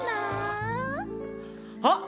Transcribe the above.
あっ！